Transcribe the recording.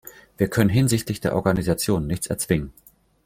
Wir können hinsichtlich der Organisation nichts erzwingen.